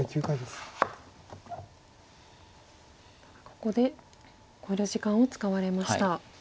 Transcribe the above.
ここで考慮時間を使われました。